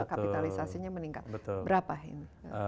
kapitalisasinya meningkat berapa ini